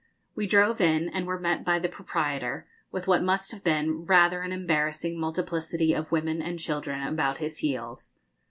We drove in, and were met by the proprietor, with what must have been rather an embarrassing multiplicity of women and children about his heels.